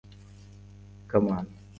کمال